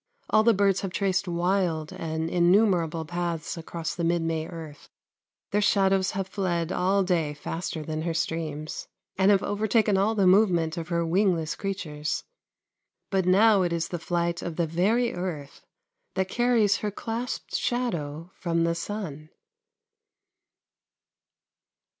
All the birds have traced wild and innumerable paths across the mid May earth; their shadows have fled all day faster than her streams, and have overtaken all the movement of her wingless creatures. But now it is the flight of the very earth that carries her clasped shadow from the sun.